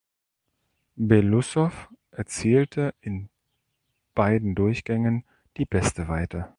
Beloussow erzielte in beiden Durchgängen die beste Weite.